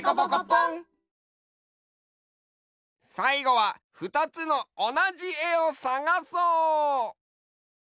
さいごはふたつのおなじえをさがそう！